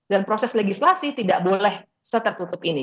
dan proses legislasi tidak boleh setertutup ini